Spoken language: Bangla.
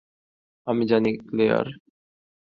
আমি জানি, ক্লেয়ার।